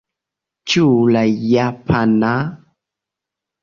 Ĉu la japana?